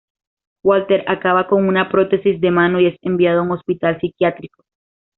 Walter acaba con una prótesis de mano y es enviado a un hospital psiquiátrico.